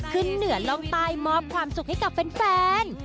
ขึ้นเหนือล่องใต้มอบความสุขให้กับแฟน